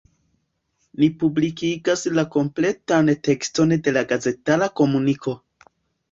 Ni publikigas la kompletan tekston de la gazetara komuniko.